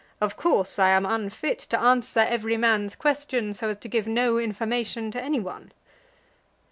Of course I am unfit to answer every man's question so as to give no information to any one."